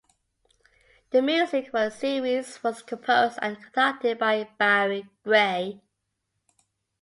The music for the series was composed and conducted by Barry Gray.